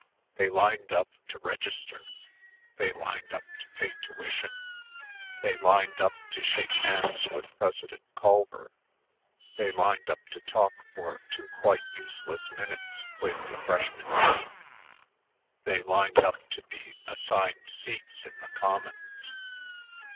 They lined up to register; they lined up to pay tuition; they lined up to shake hands with President Culver; they lined up to talk for two quite useless minutes with the freshman dean; they lined up to be assigned seats in the commons.